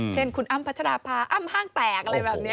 เช่นคุณอ้ำพัชราภาอ้ำห้างแตกอะไรแบบนี้